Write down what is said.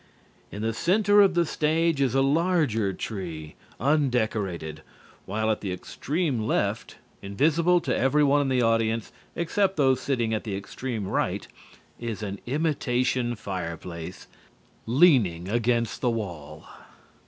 In the center of the stage is a larger tree, undecorated, while at the extreme left, invisible to everyone in the audience except those sitting at the extreme right, is an imitation fireplace, leaning against the wall.